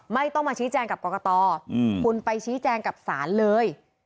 ไม่ต้องมาชี้แจงกับกรกตคุณไปชี้แจงกับศาลเลย